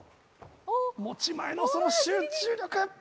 持ち前のその集中力！